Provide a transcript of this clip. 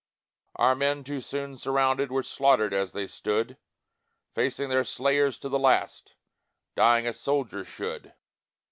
"Our men, too soon surrounded, Were slaughtered as they stood, Facing their slayers to the last, Dying as soldiers should.